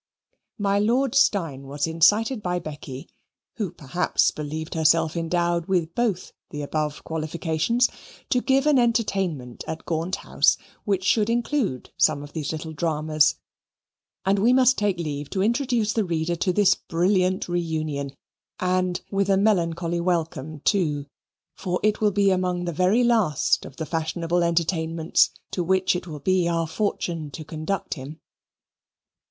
My Lord Steyne was incited by Becky, who perhaps believed herself endowed with both the above qualifications, to give an entertainment at Gaunt House, which should include some of these little dramas and we must take leave to introduce the reader to this brilliant reunion, and, with a melancholy welcome too, for it will be among the very last of the fashionable entertainments to which it will be our fortune to conduct him.